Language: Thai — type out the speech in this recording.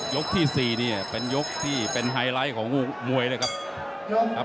ที่สี่เนี่ยเป็นยกที่เป็นไฮไลท์ของมวยนะครับ